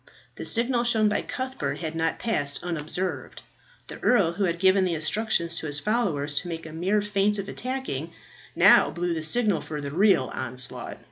The signal shown by Cuthbert had not passed unobserved. The earl, who had given instructions to his followers to make a mere feint of attacking, now blew the signal for the real onslaught.